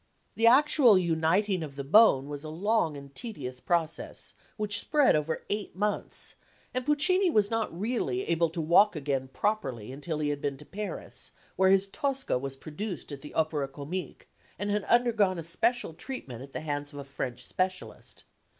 The actual uniting of the bone was a long and tedious process, which spread over eight months, and Puccini was not really able to walk again properly until he had been to Paris where his Tosca was produced at the Opera Comique and undergone a special treatment at the hands of a French specialist.